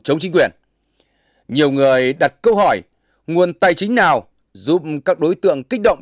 chống chính quyền nhiều người đặt câu hỏi nguồn tài chính nào giúp các đối tượng kích động